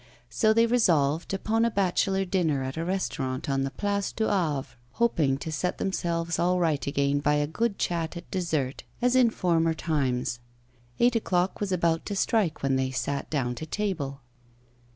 So they resolved upon a bachelor dinner at a restaurant on the Place du Havre, hoping to set themselves all right again by a good chat at dessert as in former times. Eight o'clock was about to strike when they sat down to table.